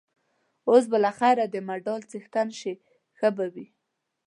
اوس به له خیره د مډال څښتن شې، ښه به وي.